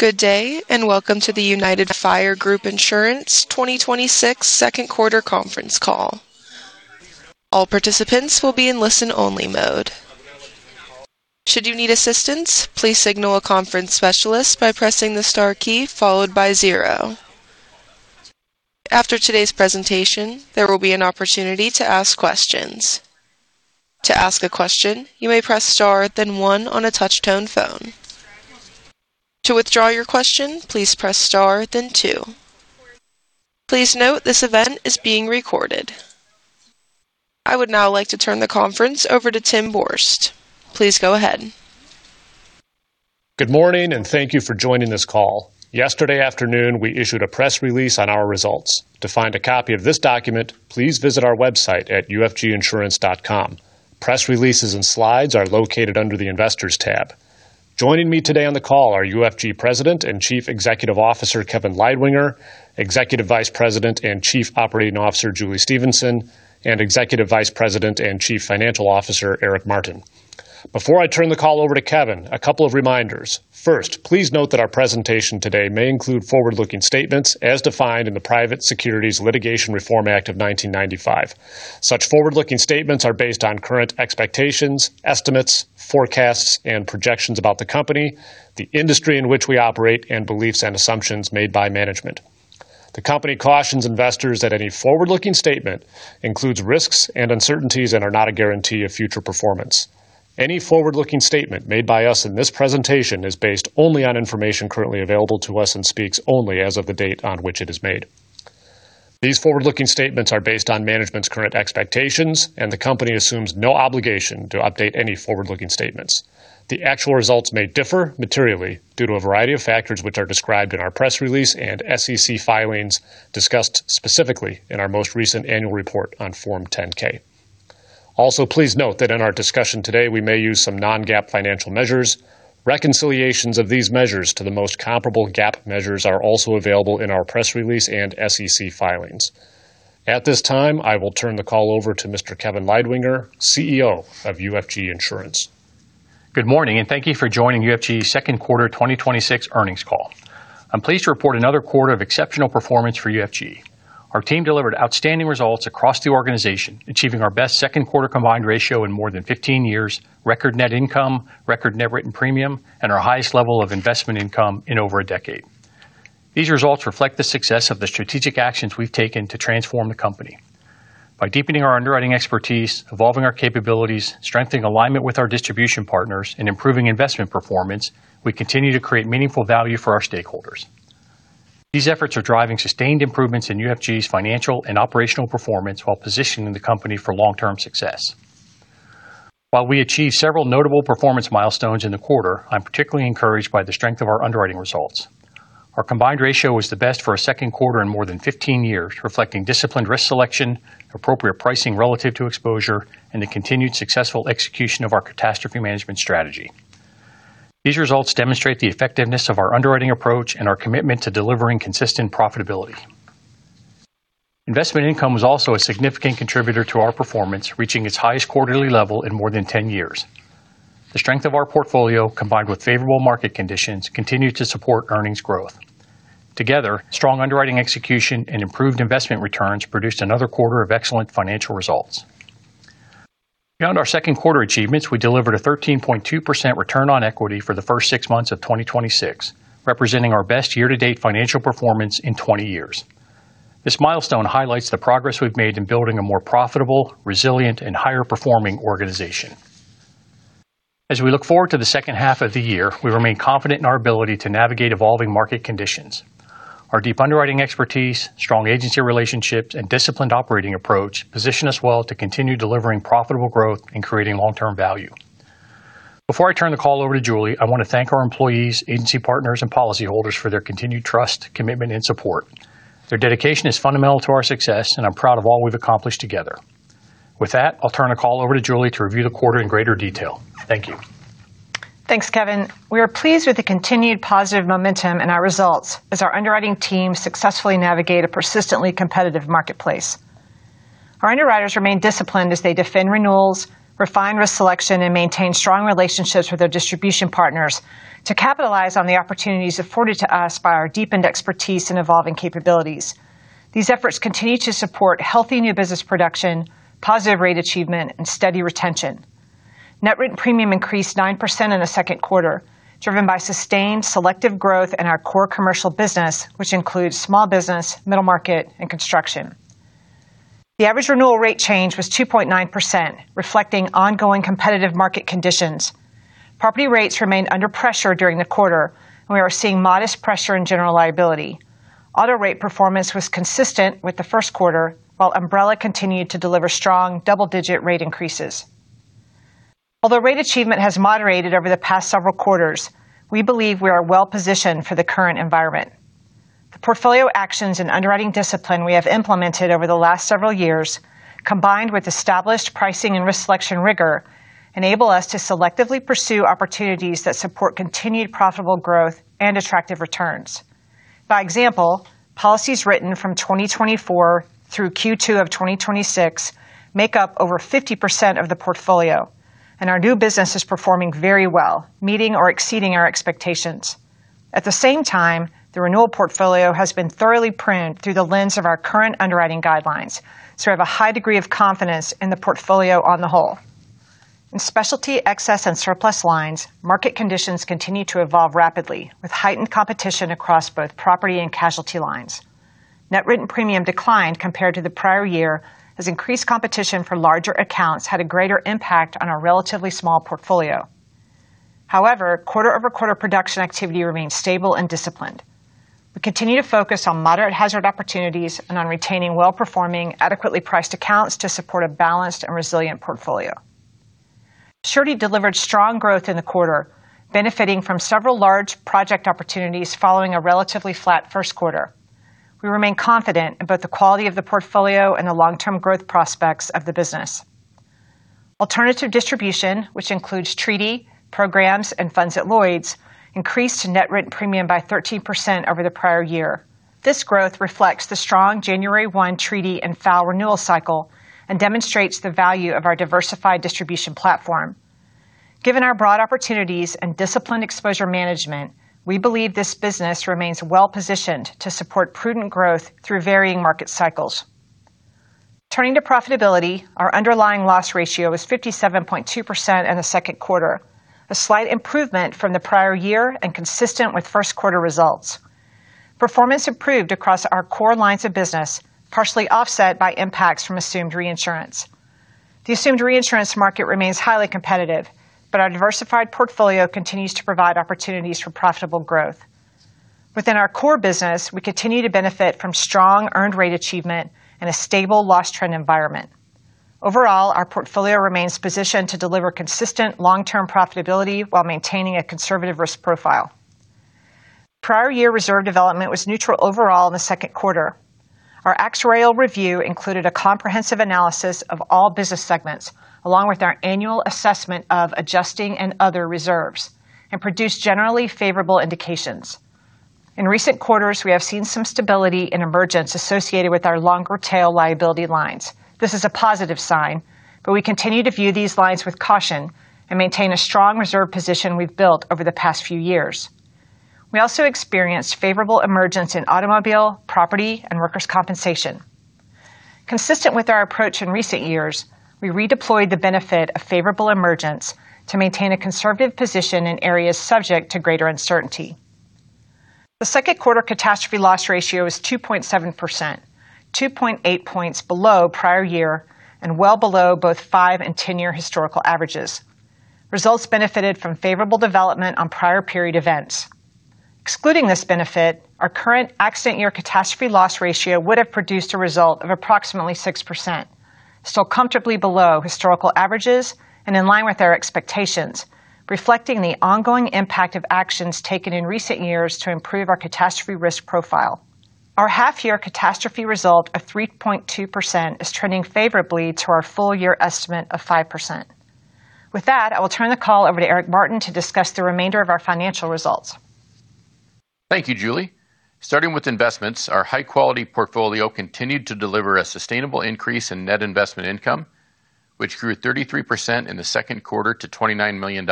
Good day, and welcome to the United Fire Group Insurance 2026 second quarter conference call. All participants will be in listen-only mode. Should you need assistance, please signal a conference specialist by pressing the star key followed by zero. After today's presentation, there will be an opportunity to ask questions. To ask a question, you may press star, then one on a touch-tone phone. To withdraw your question, please press star, then two. Please note this event is being recorded. I would now like to turn the conference over to Tim Borst. Please go ahead. Good morning, and thank you for joining this call. Yesterday afternoon, we issued a press release on our results. To find a copy of this document, please visit our website at ufginsurance.com. Press releases and slides are located under the Investors tab. Joining me today on the call are UFG President and Chief Executive Officer, Kevin Leidwinger, Executive Vice President and Chief Operating Officer, Julie Stephenson, and Executive Vice President and Chief Financial Officer, Eric Martin. Before I turn the call over to Kevin, a couple of reminders. First, please note that our presentation today may include Forward-Looking statements as defined in the Private Securities Litigation Reform Act of 1995. Such Forward-Looking statements are based on current expectations, estimates, forecasts, and projections about the company, the industry in which we operate, and beliefs and assumptions made by management. The company cautions investors that any Forward-Looking statement includes risks and uncertainties and are not a guarantee of future performance. Any Forward-Looking statement made by us in this presentation is based only on information currently available to us and speaks only as of the date on which it is made. These Forward-Looking statements are based on management's current expectations, and the company assumes no obligation to update any Forward-Looking statements. The actual results may differ materially due to a variety of factors, which are described in our press release and SEC filings discussed specifically in our most recent annual report on Form 10-K. Please note that in our discussion today, we may use some non-GAAP financial measures. Reconciliations of these measures to the most comparable GAAP measures are also available in our press release and SEC filings. At this time, I will turn the call over to Mr. Kevin Leidwinger, CEO of UFG Insurance. Good morning. Thank you for joining UFG's second quarter 2026 earnings call. I'm pleased to report another quarter of exceptional performance for UFG. Our team delivered outstanding results across the organization, achieving our best second quarter combined ratio in more than 15 years, record net income, record net written premium, and our highest level of investment income in over a decade. These results reflect the success of the strategic actions we've taken to transform the company. By deepening our underwriting expertise, evolving our capabilities, strengthening alignment with our distribution partners, and improving investment performance, we continue to create meaningful value for our stakeholders. These efforts are driving sustained improvements in UFG's financial and operational performance while positioning the company for long-term success. While we achieved several notable performance milestones in the quarter, I'm particularly encouraged by the strength of our underwriting results. Our combined ratio was the best for a second quarter in more than 15 years, reflecting disciplined risk selection, appropriate pricing relative to exposure, and the continued successful execution of our catastrophe management strategy. These results demonstrate the effectiveness of our underwriting approach and our commitment to delivering consistent profitability. Investment income was also a significant contributor to our performance, reaching its highest quarterly level in more than 10 years. The strength of our portfolio, combined with favorable market conditions, continued to support earnings growth. Together, strong underwriting execution and improved investment returns produced another quarter of excellent financial results. Beyond our second quarter achievements, we delivered a 13.2% return on equity for the first six months of 2026, representing our best year-to-date financial performance in 20 years. This milestone highlights the progress we've made in building a more profitable, resilient, and higher-performing organization. As we look forward to the second half of the year, we remain confident in our ability to navigate evolving market conditions. Our deep underwriting expertise, strong agency relationships, and disciplined operating approach position us well to continue delivering profitable growth and creating long-term value. Before I turn the call over to Julie, I want to thank our employees, agency partners, and policyholders for their continued trust, commitment, and support. Their dedication is fundamental to our success, and I'm proud of all we've accomplished together. With that, I'll turn the call over to Julie to review the quarter in greater detail. Thank you. Thanks, Kevin. We are pleased with the continued positive momentum and our results as our underwriting team successfully navigate a persistently competitive marketplace. Our underwriters remain disciplined as they defend renewals, refine risk selection, and maintain strong relationships with their distribution partners to capitalize on the opportunities afforded to us by our deepened expertise and evolving capabilities. These efforts continue to support healthy new business production, positive rate achievement, and steady retention. Net written premium increased 9% in the second quarter, driven by sustained selective growth in our core commercial business, which includes small business, middle market, and construction. The average renewal rate change was 2.9%, reflecting ongoing competitive market conditions. Property rates remained under pressure during the quarter, and we are seeing modest pressure in general liability. Auto rate performance was consistent with the first quarter, while umbrella continued to deliver strong double-digit rate increases. Although rate achievement has moderated over the past several quarters, we believe we are well-positioned for the current environment. The portfolio actions and underwriting discipline we have implemented over the last several years, combined with established pricing and risk selection rigor, enable us to selectively pursue opportunities that support continued profitable growth and attractive returns. By example, policies written from 2024 through Q2 of 2026 make up over 50% of the portfolio, and our new business is performing very well, meeting or exceeding our expectations. At the same time, the renewal portfolio has been thoroughly pruned through the lens of our current underwriting guidelines, so we have a high degree of confidence in the portfolio on the whole. In specialty excess and surplus lines, market conditions continue to evolve rapidly, with heightened competition across both property and casualty lines. Net written premium decline compared to the prior year, as increased competition for larger accounts had a greater impact on our relatively small portfolio. Quarter-over-quarter production activity remains stable and disciplined. We continue to focus on moderate hazard opportunities and on retaining well-performing, adequately priced accounts to support a balanced and resilient portfolio. Surety delivered strong growth in the quarter, benefiting from several large project opportunities following a relatively flat first quarter. We remain confident in both the quality of the portfolio and the long-term growth prospects of the business. Alternative distribution, which includes treaty, programs, and funds at Lloyd's, increased net written premium by 13% over the prior year. This growth reflects the strong January 1 treaty and FAO renewal cycle and demonstrates the value of our diversified distribution platform. Given our broad opportunities and disciplined exposure management, we believe this business remains well-positioned to support prudent growth through varying market cycles. Turning to profitability, our underlying loss ratio was 57.2% in the second quarter, a slight improvement from the prior year and consistent with first quarter results. Performance improved across our core lines of business, partially offset by impacts from assumed reinsurance. The assumed reinsurance market remains highly competitive, but our diversified portfolio continues to provide opportunities for profitable growth. Within our core business, we continue to benefit from strong earned rate achievement and a stable loss trend environment. Our portfolio remains positioned to deliver consistent long-term profitability while maintaining a conservative risk profile. Prior year reserve development was neutral overall in the second quarter. Our actuarial review included a comprehensive analysis of all business segments, along with our annual assessment of adjusting and other reserves, and produced generally favorable indications. In recent quarters, we have seen some stability in emergence associated with our longer tail liability lines. This is a positive sign, but we continue to view these lines with caution and maintain a strong reserve position we've built over the past few years. We also experienced favorable emergence in automobile, property, and workers' compensation. Consistent with our approach in recent years, we redeployed the benefit of favorable emergence to maintain a conservative position in areas subject to greater uncertainty. The second quarter catastrophe loss ratio is 2.7%, 2.8 points below prior year, and well below both five and 10-year historical averages. Results benefited from favorable development on prior period events. Excluding this benefit, our current accident year catastrophe loss ratio would have produced a result of approximately 6%, still comfortably below historical averages and in line with our expectations, reflecting the ongoing impact of actions taken in recent years to improve our catastrophe risk profile. Our half year catastrophe result of 3.2% is trending favorably to our full year estimate of 5%. With that, I will turn the call over to Eric Martin to discuss the remainder of our financial results. Thank you, Julie. Starting with investments, our high-quality portfolio continued to deliver a sustainable increase in net investment income, which grew 33% in the second quarter to $29 million.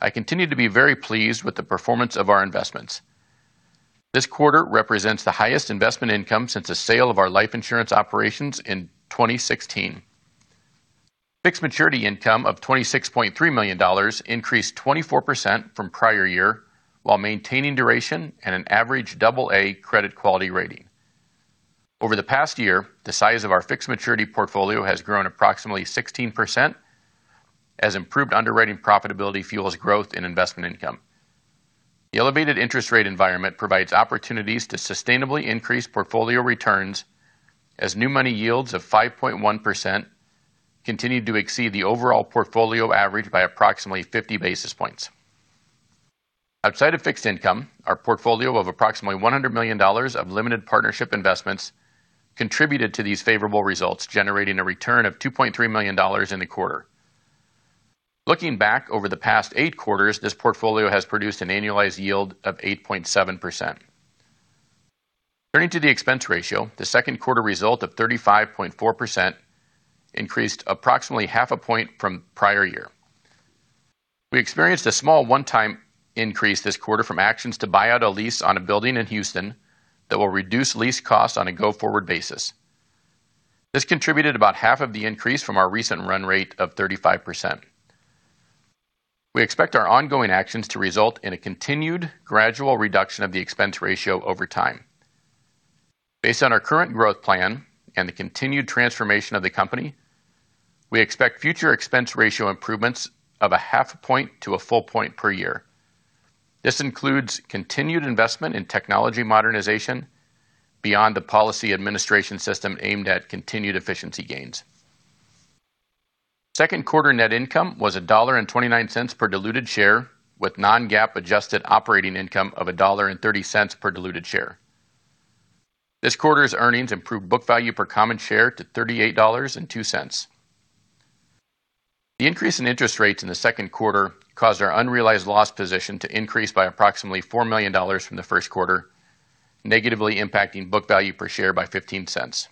I continue to be very pleased with the performance of our investments. This quarter represents the highest investment income since the sale of our life insurance operations in 2016. Fixed maturity income of $26.3 million increased 24% from prior year while maintaining duration and an average double A credit quality rating. Over the past year, the size of our fixed maturity portfolio has grown approximately 16%, as improved underwriting profitability fuels growth in investment income. The elevated interest rate environment provides opportunities to sustainably increase portfolio returns as new money yields of 5.1% continue to exceed the overall portfolio average by approximately 50 basis points. Outside of fixed income, our portfolio of approximately $100 million of limited partnership investments contributed to these favorable results, generating a return of $2.3 million in the quarter. Looking back over the past eight quarters, this portfolio has produced an annualized yield of 8.7%. Turning to the expense ratio, the second quarter result of 35.4% increased approximately half a point from prior year. We experienced a small one-time increase this quarter from actions to buy out a lease on a building in Houston that will reduce lease costs on a go-forward basis. This contributed about half of the increase from our recent run rate of 35%. We expect our ongoing actions to result in a continued gradual reduction of the expense ratio over time. Based on our current growth plan and the continued transformation of the company, we expect future expense ratio improvements of a half a point to a full point per year. This includes continued investment in technology modernization beyond the policy administration system aimed at continued efficiency gains. Second quarter net income was $1.29 per diluted share, with non-GAAP adjusted operating income of $1.30 per diluted share. This quarter's earnings improved book value per common share to $38.02. The increase in interest rates in the second quarter caused our unrealized loss position to increase by approximately $4 million from the first quarter, negatively impacting book value per share by $0.15.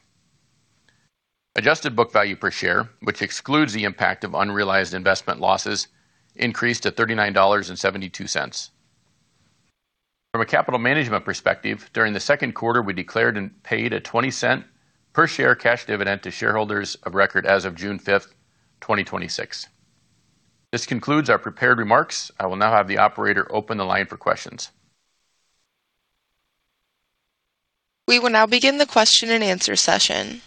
Adjusted book value per share, which excludes the impact of unrealized investment losses, increased to $39.72. From a capital management perspective, during the second quarter, we declared and paid a $0.20 per share cash dividend to shareholders of record as of June 5th, 2026. This concludes our prepared remarks. I will now have the operator open the line for questions. We will now begin the question-and-answer session.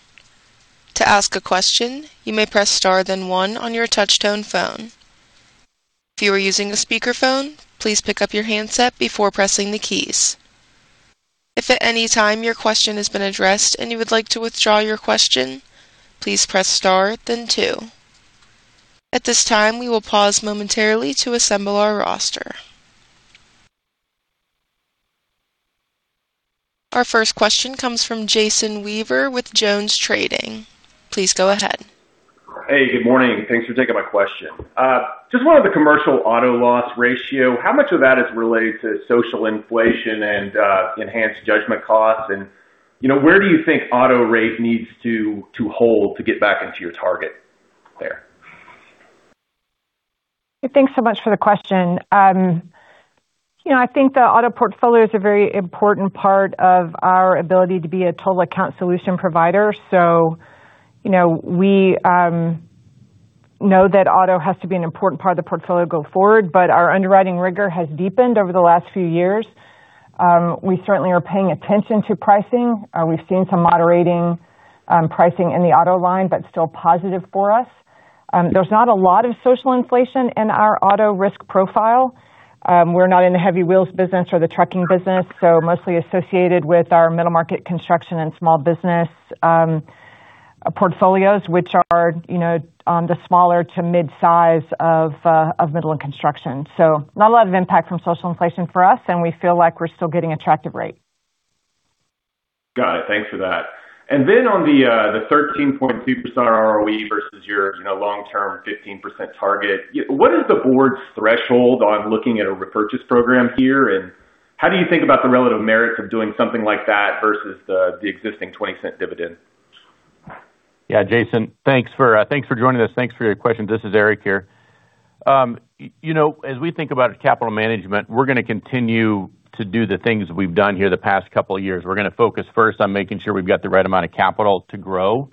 To ask a question, you may press star then one on your touchtone phone. If you are using a speakerphone, please pick up your handset before pressing the keys. If at any time your question has been addressed and you would like to withdraw your question, please press star then two. At this time, we will pause momentarily to assemble our roster. Our first question comes from Jason Weaver with Jones Trading. Please go ahead. Hey, good morning. Thanks for taking my question. Just wanted the commercial auto loss ratio, how much of that is related to social inflation and enhanced judgment costs? Where do you think auto rate needs to hold to get back into your target there? Thanks so much for the question. I think the auto portfolio is a very important part of our ability to be a total account solution provider. We know that auto has to be an important part of the portfolio going forward, our underwriting rigor has deepened over the last few years. We certainly are paying attention to pricing. We've seen some moderating pricing in the auto line, still positive for us. There's not a lot of social inflation in our auto risk profile. We're not in the heavy wheels business or the trucking business, mostly associated with our middle market construction and small business portfolios, which are the smaller to mid-size of middle and construction. Not a lot of impact from social inflation for us, and we feel like we're still getting attractive rate. Got it. Thanks for that. On the 13.2% ROE versus your long-term 15% target, what is the board's threshold on looking at a repurchase program here? How do you think about the relative merits of doing something like that versus the existing $0.20 dividend? Yeah, Jason, thanks for joining us. Thanks for your questions. This is Eric here. As we think about capital management, we're going to continue to do the things we've done here the past couple of years. We're going to focus first on making sure we've got the right amount of capital to grow.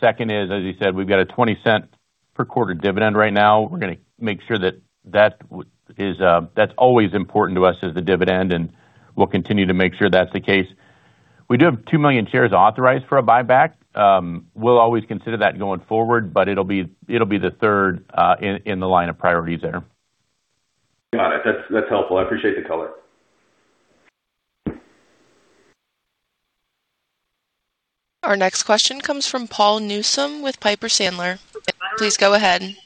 Second is, as you said, we've got a $0.20 per quarter dividend right now. We're going to make sure that's always important to us as the dividend, and we'll continue to make sure that's the case. We do have 2 million shares authorized for a buyback. We'll always consider that going forward, but it'll be the third in the line of priorities there. Got it. That's helpful. I appreciate the color. Our next question comes from Paul Newsome with Piper Sandler. Please go ahead.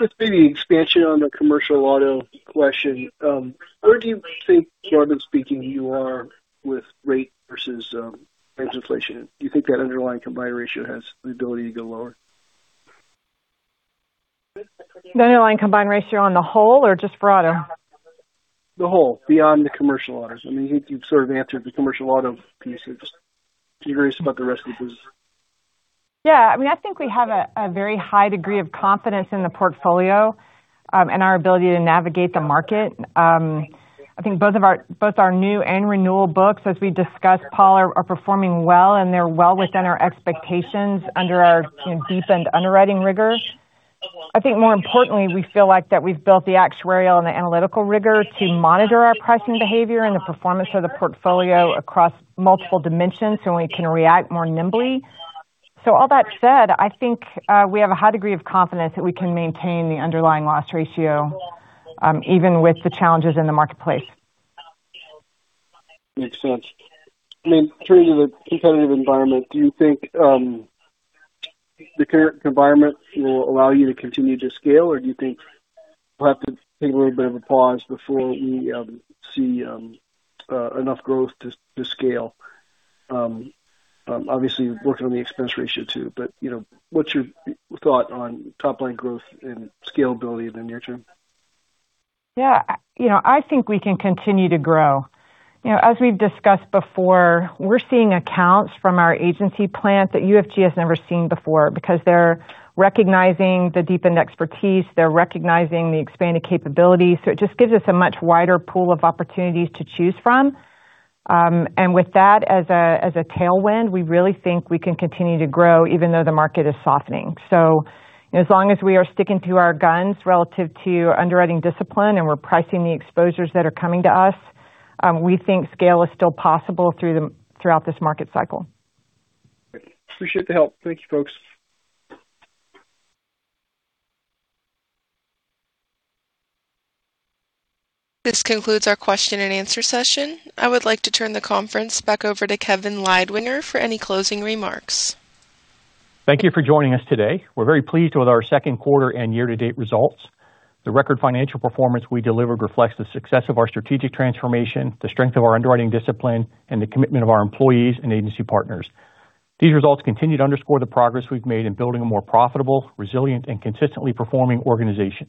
Just maybe an expansion on the commercial auto question. Where do you think, broadly speaking, you are with rate versus inflation? Do you think that underlying combined ratio has the ability to go lower? The underlying combined ratio on the whole or just for auto? The whole, beyond the commercial autos. You've sort of answered the commercial auto piece. Just curious about the rest of business. Yeah, I think we have a very high degree of confidence in the portfolio and our ability to navigate the market. I think both our new and renewal books, as we discussed, Paul, are performing well, and they're well within our expectations under our deepened underwriting rigor. I think more importantly, we feel like that we've built the actuarial and the analytical rigor to monitor our pricing behavior and the performance of the portfolio across multiple dimensions so we can react more nimbly. All that said, I think we have a high degree of confidence that we can maintain the underlying loss ratio even with the challenges in the marketplace. Makes sense. Turning to the competitive environment, do you think the current environment will allow you to continue to scale, or do you think we'll have to take a little bit of a pause before we see enough growth to scale? Obviously, working on the expense ratio too, what's your thought on top line growth and scalability in the near term? Yeah. I think we can continue to grow. As we've discussed before, we're seeing accounts from our agency plans that UFG has never seen before because they're recognizing the deepened expertise, they're recognizing the expanded capabilities. It just gives us a much wider pool of opportunities to choose from. With that as a tailwind, we really think we can continue to grow even though the market is softening. As long as we are sticking to our guns relative to underwriting discipline and we're pricing the exposures that are coming to us, we think scale is still possible throughout this market cycle. Appreciate the help. Thank you, folks. This concludes our question-and-answer session. I would like to turn the conference back over to Kevin Leidwinger for any closing remarks. Thank you for joining us today. We're very pleased with our second quarter and year-to-date results. The record financial performance we delivered reflects the success of our strategic transformation, the strength of our underwriting discipline, and the commitment of our employees and agency partners. These results continue to underscore the progress we've made in building a more profitable, resilient, and consistently performing organization.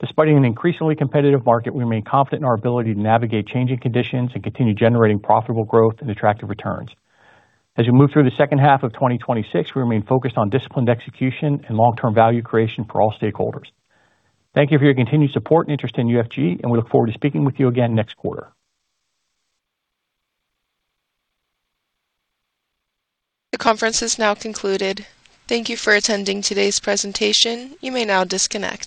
Despite an increasingly competitive market, we remain confident in our ability to navigate changing conditions and continue generating profitable growth and attractive returns. As we move through the second half of 2026, we remain focused on disciplined execution and long-term value creation for all stakeholders. Thank you for your continued support and interest in UFG, and we look forward to speaking with you again next quarter. The conference is now concluded. Thank you for attending today's presentation. You may now disconnect.